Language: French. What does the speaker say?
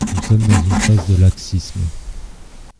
Nous sommes dans une phase de laxisme.